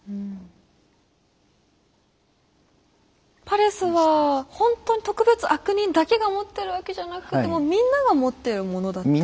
パレスはほんとに特別悪人だけが持ってるわけじゃなくてみんなが持ってるものだったり。